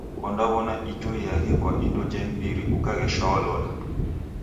Ondaw'ona ijo iaghi kwa indo ja imbiri ukaghesha waloda.